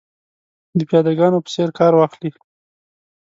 د پیاده ګانو په څېر کار واخلي.